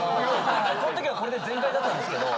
こん時はこれで全開だったんですけど。